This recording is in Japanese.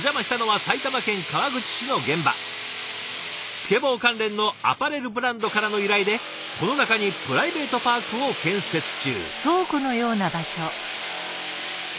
スケボー関連のアパレルブランドからの依頼でこの中にプライベートパークを建設中。